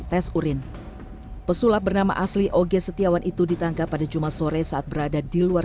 tes urin pesulap bernama asli oge setiawan itu ditangkap pada jumat sore saat berada di luar